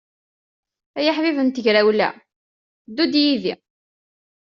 Ay aḥbib n tegrawla, ddu-d yid-i.